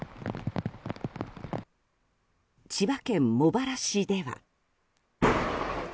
千葉県茂原市では。